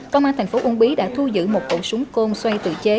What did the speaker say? công an tp ung bí đã thu giữ một bộ súng côn xoay tự chế